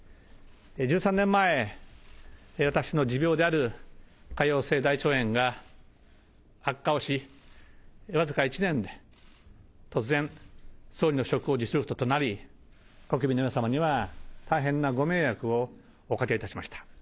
１３年前、私の持病である潰瘍性大腸炎が悪化をし、僅か１年で突然、総理の職を辞することとなり、国民の皆様には大変なご迷惑をおかけいたしました。